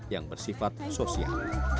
yang bersifat sosial